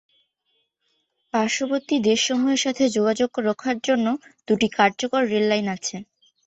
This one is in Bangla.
পার্শ্ববর্তী দেশসমূহের সাথে যোগাযোগ রক্ষার জন্য দুটি কার্যকর রেল লাইন আছে।